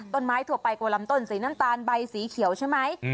ทั่วไปกว่าลำต้นสีน้ำตาลใบสีเขียวใช่ไหม